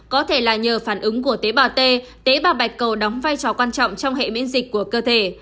có thể là nhờ phản ứng của tế bào t tế bà bạch cầu đóng vai trò quan trọng trong hệ miễn dịch của cơ thể